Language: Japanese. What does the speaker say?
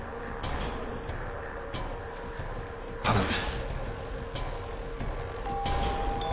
頼む。